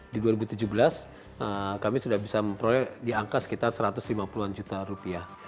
di dua ribu tujuh belas kami sudah bisa memproyek di angka sekitar satu ratus lima puluh an juta rupiah